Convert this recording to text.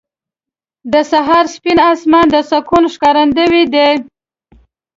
• د سهار سپین اسمان د سکون ښکارندوی دی.